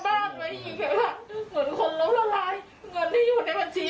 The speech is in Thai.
วนบ้านไว้อยู่แบบเหมือนคนระลาย็นดิอยู่ในบัญชี